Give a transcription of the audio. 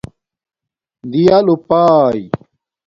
دِیݳ لوپݳئئ